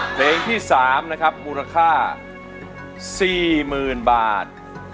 เพลงที่๓นะครับมูลค่า๔๐๐๐บาท